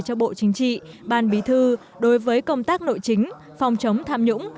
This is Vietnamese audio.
cho bộ chính trị ban bí thư đối với công tác nội chính phòng chống tham nhũng